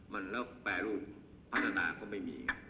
มันแล้วแปรรูปพัฒนาก็ไม่มี